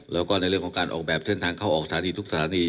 แล้วก็ในเรื่องของการออกแบบเส้นทางเข้าออกสถานีทุกสถานี